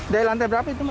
dari lantai berapa itu pak